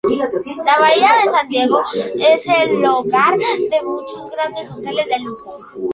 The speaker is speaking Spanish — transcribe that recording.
La Bahía de San Diego es el hogar de muchos grandes hoteles de lujo.